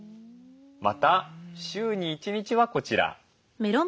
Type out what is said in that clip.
また週に１日はこちら。